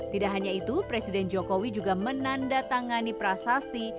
tidak hanya itu presiden jokowi juga menandatangani prasasti